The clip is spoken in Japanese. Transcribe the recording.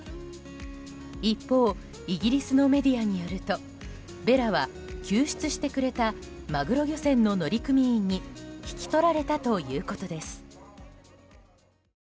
一方、イギリスのメディアによるとベラは、救出してくれたマグロ漁船の乗組員に引き取られたということです。